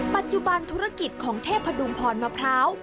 ปัจจุบันธุรกิจของเทพพดุงพรมะพร้าว